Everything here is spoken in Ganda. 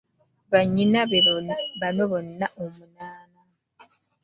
Bannyina be bano bonna omunaana.